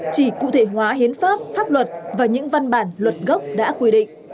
chỉ cụ thể hóa hiến pháp pháp luật và những văn bản luật gốc đã quy định